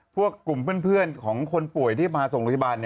พวกกลุ่มเพื่อนของคนป่วยที่พาส่งโรงพยาบาล